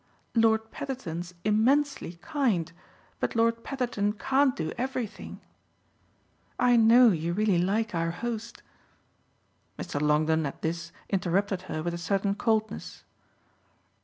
Lord Petherton's immensely kind, but Lord Petherton can't do everything. I know you really like our host !" Mr. Longdon, at this, interrupted her with a certain coldness.